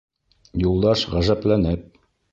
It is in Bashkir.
Юлдаш ғәжәпләнеп: